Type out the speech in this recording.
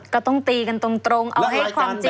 ก็ต้องตีกันตรงเอาให้ความจริง